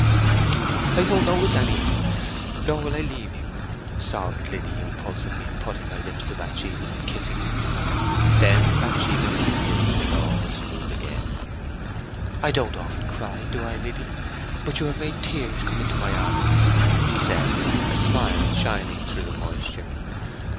"I won't notice anything, nor will I leave you!" sobbed Liddy, impulsively putting up her lips to Bathsheba's, and kissing her. Then Bathsheba kissed Liddy, and all was smooth again. "I don't often cry, do I, Lidd? but you have made tears come into my eyes," she said, a smile shining through the moisture.